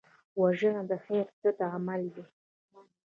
وژنه د خیر ضد عمل دی